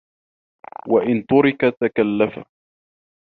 وَإِنْ تُرِكَ تَكَلَّفَ